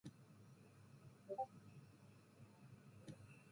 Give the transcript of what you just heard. His writings during this period reflect his passion for civic and social engagement.